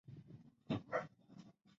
后来自大学中文系本科毕业。